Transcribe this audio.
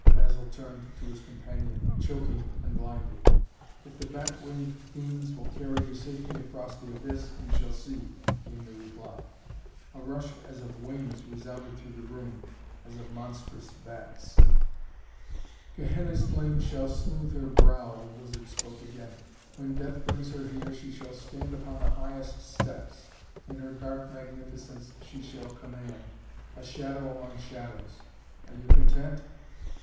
Basil turned to his companion, choking and blinded. "If the bat winged fiends will carry you safely across the abyss you shall see," came the reply. A rush as of wings resounded through the room, as of monstrous bats. "Gehenna's flame shall smoothe her brow," the wizard spoke again. "When Death brings her here, she shall stand upon the highest steps, in her dark magnificence she shall command a shadow among shadows. Are you content?"